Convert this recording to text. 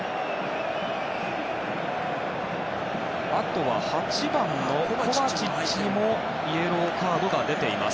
あと８番のコバチッチにもイエローカードが出ています。